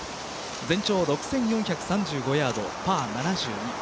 全長６４７５ヤード、パー７２。